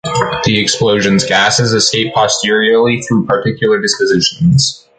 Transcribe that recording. The explosions’ gases escape posteriorly through particular dispositions.